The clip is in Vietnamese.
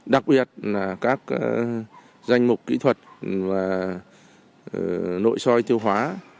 đặc biệt là các danh mục kỹ thuật và nội soi tiêu hóa